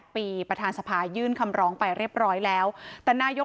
ปีประธานสภายื่นคำร้องไปเรียบร้อยแล้วแต่นายก